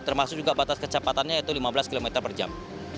termasuk juga batas kecepatannya yaitu lima belas km per jam